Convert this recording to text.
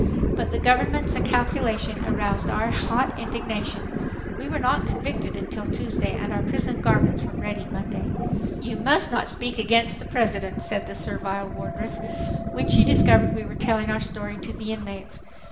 But the government's calculation aroused our hot indignation. We were not convicted until Tuesday and our prison garments were ready Monday! "You must not speak against the President," said the servile wardress, when she discovered we were telling our story to the inmates.